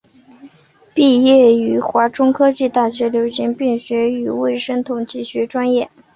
毕业于华中科技大学流行病学与卫生统计学专业。